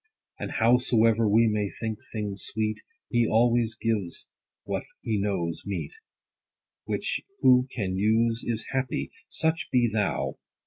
And howsoever we may think things sweet, He always gives what he knows meet ; Which who can use is happy : Such be thou.